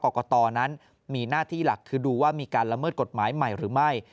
กรกตนั้นมีหน้าที่หลักคือดูว่ามีการละเมิดกฎหมายใหม่หรือไม่